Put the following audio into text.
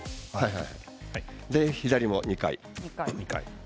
左も２回。